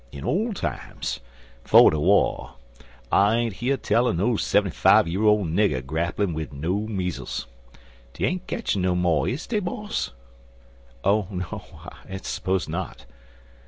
In ole times, 'fo' de wah, I ain't heer tell er no seventy fi' year ole nigger grapplin' wid no meezles. Dey ain't ketchin' no mo', is dey, boss?" "Oh, no I suppose not."